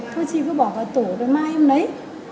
thôi chị cứ bỏ vào tủ tối mai em lấy